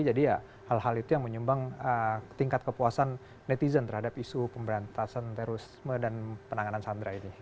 jadi ya hal hal itu yang menyumbang tingkat kepuasan netizen terhadap isu pemberantasan terorisme dan penanganan sandra ini